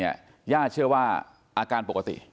ย่าเชื่อว่าอาการปกติ